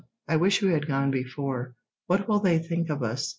"I wish we had gone before. What will they think of us?